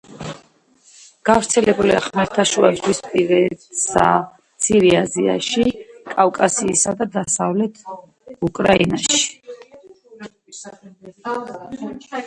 გავრცელებულია ხმელთაშუაზღვისპირეთსა, მცირე აზიაში, კავკასიასა და დასავლეთ უკრაინაში.